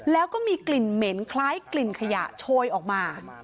แล้วก็มีกลิ่นเหม็นคล้ายกลิ่นขยะโชยออกมา